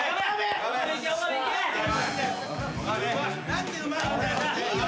何でうまいんだよ。